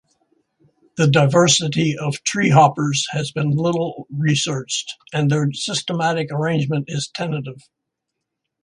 The diversity of treehoppers has been little researched, and their systematic arrangement is tentative.